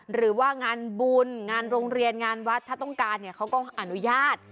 หรือว่างานบุญงานโรงเรียนงานวัดถ้าต้องการเนี่ยเขาก็อนุญาต